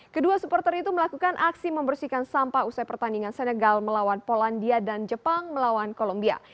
kedua supporter itu melakukan aksi membersihkan sampah usai pertandingan senegal melawan polandia dan jepang melawan kolombia